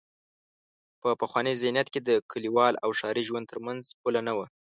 په پخواني ذهنیت کې د کلیوال او ښاري ژوند تر منځ پوله نه وه.